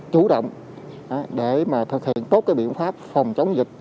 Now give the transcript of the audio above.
chủ động để mà thực hiện tốt cái biện pháp phòng chống dịch